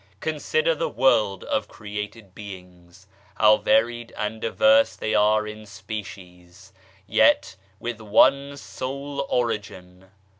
Consider the world of created beings, how varied and diverse they are in species, yet with one sole origin.